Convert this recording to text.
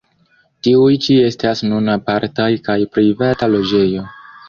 Tiuj ĉi estas nun apartaj kaj privata loĝejo.